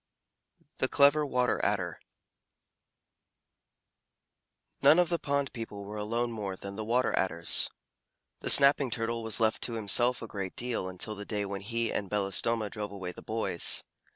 THE CLEVER WATER ADDER None of the pond people were alone more than the Water Adders. The Snapping Turtle was left to himself a great deal until the day when he and Belostoma drove away the boys.